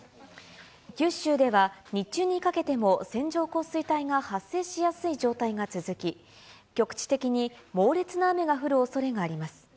九州では日中にかけても線状降水帯が発生しやすい状態が続き、局地的に猛烈な雨が降るおそれがあります。